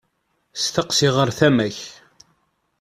Steqsi ɣer tama-k.